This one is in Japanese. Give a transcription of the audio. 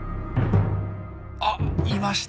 あっいました。